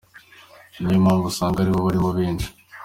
Niyo mpamvu usanga ari bo barimo benshi.